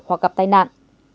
hoặc gặp tai nạn